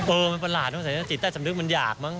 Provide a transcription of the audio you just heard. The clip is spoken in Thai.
เออมันประหลาดเนอะจิตใต้สำนึกมันอยากมั้